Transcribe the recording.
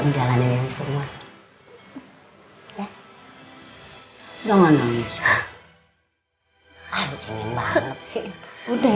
menjalani ini semua